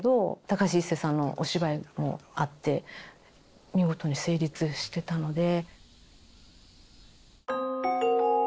高橋一生さんのお芝居もあって見事に成立してたので。